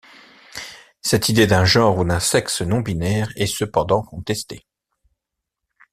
Cette idée d'un genre ou d'un sexe non binaire est cependant contesté.